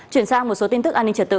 chuyển sang một số tin tức an ninh trật tự